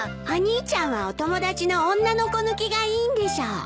お兄ちゃんはお友達の女の子抜きがいいんでしょ。